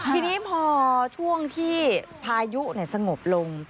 ทีนี้พอช่วงที่พายุสงบลง